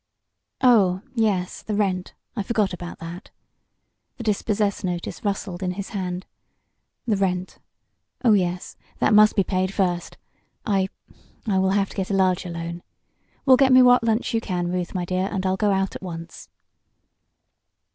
"Oh, yes the rent. I forgot about that." The dispossess notice rustled in his hand. "The rent Oh, yes. That must be paid first. I I will have to get a larger loan. Well, get me what lunch you can, Ruth, my dear, and I'll go out at once."